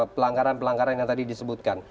pelanggaran pelanggaran yang tadi disebutkan